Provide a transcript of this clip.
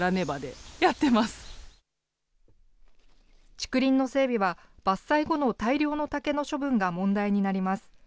竹林の整備は、伐採後の大量の竹の処分が問題になります。